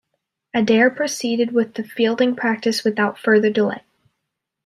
Adair proceeded with the fielding practice without further delay.